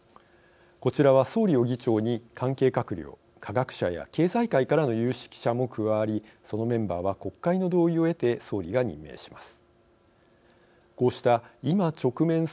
こちらは総理を議長に関係閣僚、科学者や経済界からの有識者も加わりそのメンバーは国会の同意を得て総理が任命します。